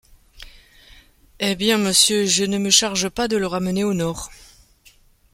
Eh bien ! monsieur, je ne me charge pas de le ramener au nord !...